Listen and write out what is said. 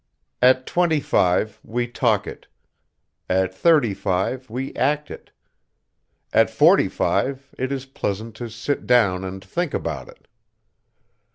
At twenty five we talk it; at thirty five we act it; at forty five it is pleasant to sit down and think about it.